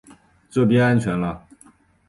这边安全了